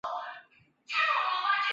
白尾雷鸟以植物的花叶种子为食。